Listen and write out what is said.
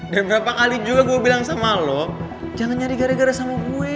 udah berapa kali juga gue bilang sama lo jangan nyari gara gara sama gue